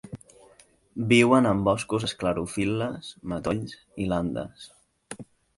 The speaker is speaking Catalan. Viuen en boscos esclerofil·les, matolls i landes.